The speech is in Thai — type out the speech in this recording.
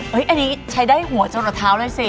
เฮ้ยอันนี้ใช้ได้หัวจนกระเท้าได้สิ